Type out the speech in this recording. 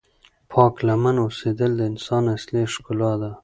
پاک لمن اوسېدل د انسان اصلی ښکلا ده.